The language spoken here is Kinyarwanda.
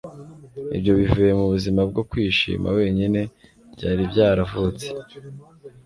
Ibyo bivuye mubuzima bwo kwishima wenyine byari byaravutse